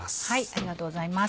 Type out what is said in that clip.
ありがとうございます。